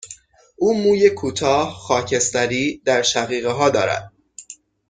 او موی کوتاه، خاکستری در شقیقه ها دارد.